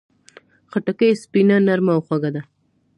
خټکی سپینه، نرمه او خوږه وي.